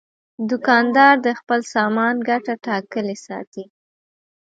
دوکاندار د خپل سامان ګټه ټاکلې ساتي.